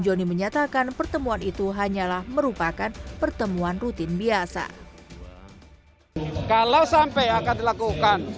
joni menyatakan pertemuan itu hanyalah merupakan pertemuan rutin biasa kalau sampai akan dilakukan